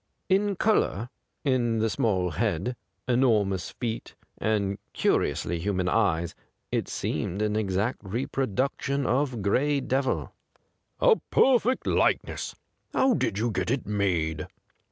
In colour, in the small head, enor mous feet, and curiously human eyes, it seemed an exact reproduction of Gray Devil. 179 THE GRAY CAT ' A perfect likeness. How did you get it made